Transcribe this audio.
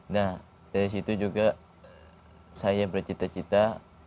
nah dari situ juga saya bercita cita